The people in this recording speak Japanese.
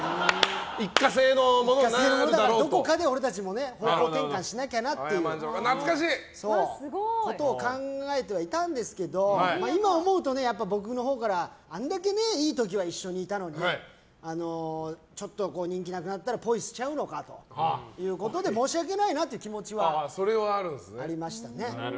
一過性のものだからどこかで俺たちも方向転換しないとなとそういうことを考えてはいたんですけど今思うと僕のほうからあれだけ、いい時は一緒にいたのにちょっと人気がなくなったらポイしちゃうのかと申し訳ないなという気持ちはありましたね。